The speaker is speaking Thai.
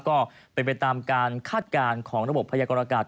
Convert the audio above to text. ก็เป็นไปตามการคาดการณ์ของระบบพยากรอากาศ